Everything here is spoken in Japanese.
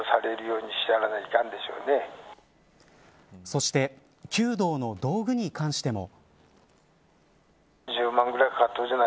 そして弓道の道具に関しても。